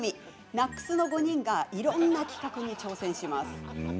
ナックスの５人がいろんな企画に挑戦します。